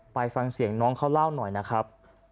ไปฟังเสียงน้องเขาเล่าหน่อยนะครับ